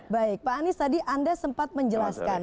baik pak anies tadi anda sempat menjelaskan